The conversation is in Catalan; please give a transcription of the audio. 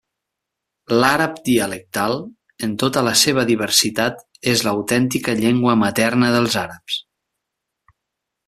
L'àrab dialectal, en tota la seva diversitat, és l'autèntica llengua materna dels àrabs.